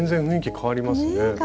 ねえ変わりますね。